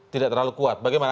tidak terlalu kuat bagaimana